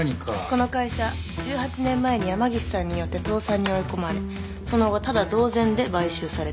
この会社１８年前に山岸さんによって倒産に追い込まれその後タダ同然で買収されてる。